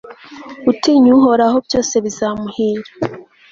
utinya uhoraho, byose bizamuhira